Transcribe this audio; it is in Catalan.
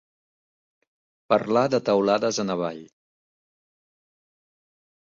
Parlar de teulades en avall.